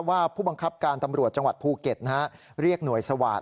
ผู้บังคับการตำรวจจังหวัดภูเก็ตเรียกหน่วยสวาสตร์